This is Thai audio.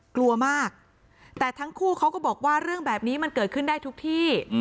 กลัวมากแต่ทั้งคู่เขาก็บอกว่าเรื่องแบบนี้มันเกิดขึ้นได้ทุกที่